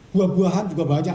buah buahan juga banyak